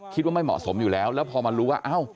คิดว่าไม่เหมาะสมอยู่แล้วแล้วพอมารู้ว่าเอ้า